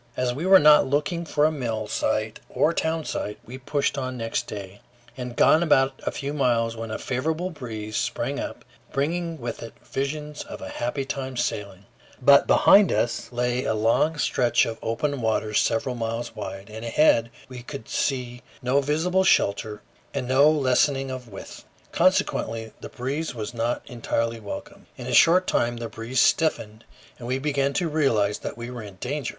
As we were not looking for a mill site or town site, we pushed on next day. We had gone but a few miles when a favorable breeze sprang up, bringing with it visions of a happy time sailing; but behind us lay a long stretch of open waters several miles wide, and ahead we could see no visible shelter and no lessening of width; consequently the breeze was not entirely welcome. In a short time the breeze stiffened, and we began to realize that we were in danger.